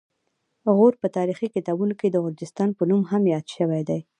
غور په تاریخي کتابونو کې د غرجستان په نوم هم یاد شوی دی